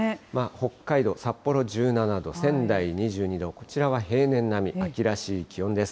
北海道札幌１７度、仙台２２度、こちらは平年並み、秋らしい気温です。